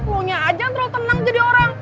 lo nya aja yang terlalu tenang jadi orang